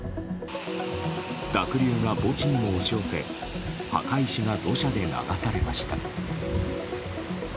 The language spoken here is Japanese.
濁流が墓地にも押し寄せ墓石が土砂で流されました。